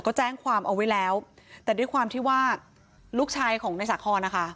ก็แจ้งความเอาไว้แล้วแต่ด้วยความที่ว่าลูกชายของนายสาคอนนะคะ